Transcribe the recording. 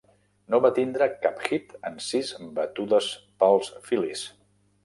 No va tindre cap hit en sis batudes pels Phillies.